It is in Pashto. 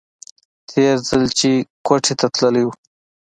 تېر ځل چې کوټې ته تللى و.